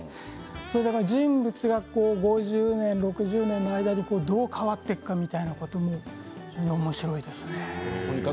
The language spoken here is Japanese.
その人物が５０年６０年の間にどう変わっていくかというのもおもしろいですね。